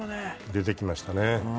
出てきましたね。